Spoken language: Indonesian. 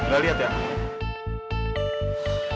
gak liat ya